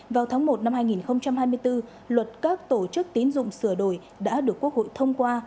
vào tháng một năm hai nghìn hai mươi bốn luật các tổ chức tín dụng sửa đổi đã được quốc hội thông qua